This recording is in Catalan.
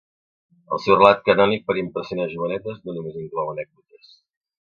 El seu relat canònic per impressionar jovenetes no només inclou anècdotes.